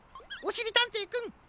おしりたんていくん